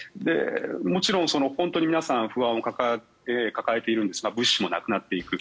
もちろん、本当に皆さん不安を抱えているんですが物資もなくなっていく。